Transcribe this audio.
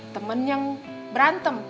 teman yang berantem